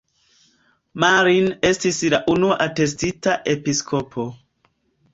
Marin estis la unua atestita episkopo.